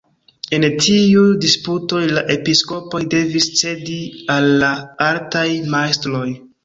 En tiuj disputoj la episkopoj devis cedi al la altaj majstroj.